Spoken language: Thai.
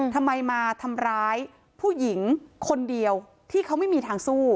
ทำไมมาทำร้ายผู้หญิงคนเดียวที่เขาไม่มีทางสู้